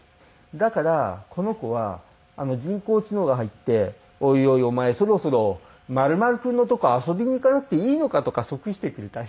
だからこの子は人工知能が入って「おいおいお前そろそろ○○君のとこ遊びに行かなくていいのか？」とか促してくれたり。